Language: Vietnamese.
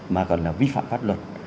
mà còn là vi phạm pháp luật